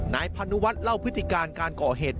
นายพานุวัฒน์เล่าพฤติการการก่อเหตุ